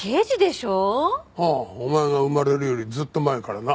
ああお前が生まれるよりずっと前からな。